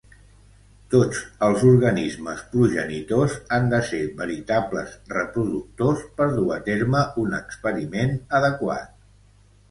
Tots els organismes progenitors han de ser veritables reproductors per dur a terme un experiment adequat.